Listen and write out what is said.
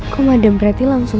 kok ma'am berarti langsung